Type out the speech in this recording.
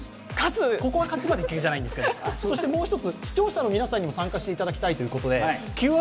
ここは勝ち負けじゃないんですが、それから視聴者の皆さんにも参加いただきたいということで。